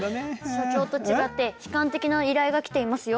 所長と違って悲観的な依頼が来ていますよ。